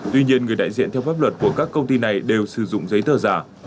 tuy nhiên người đại diện theo pháp luật của các công ty này đều sử dụng giấy tờ giả